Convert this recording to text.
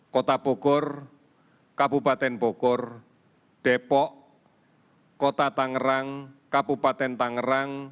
kota bogor kabupaten bogor depok kota tangerang kabupaten tangerang